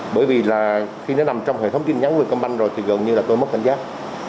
bởi vì là khi nó nằm trong hệ thống tin nhắn vietcombank rồi thì gần như là tôi mất cảnh giác